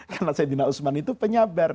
karena saidina usman itu penyabar